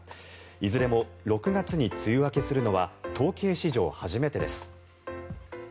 いずれも６月に梅雨明けするのは統計史上初めてです。